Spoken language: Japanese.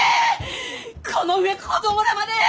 この上子供らまで！